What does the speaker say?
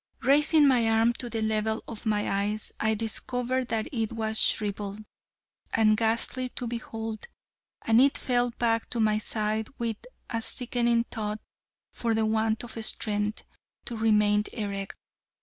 Raising my arm to the level of my eyes I discovered that it was shriveled, and ghastly to behold, and it fell back to my side with a sickening thud for the want of strength to remain erect.